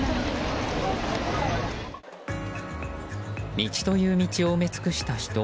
道という道を埋め尽くした人。